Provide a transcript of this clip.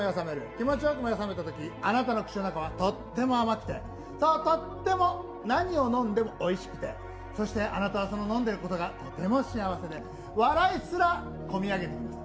気持ちよく目が覚めたとき、あなたの口の中はとっても甘くて、とっても何を飲んでもおいしくて、そしてあなたは飲んでいることがとても幸せで笑いすら込み上げてきます。